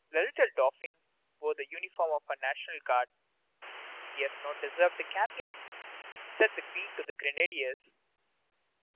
The little Dauphin wore the uniform of a National Guard. "He has not deserved the cap yet," said the Queen to the grenadiers.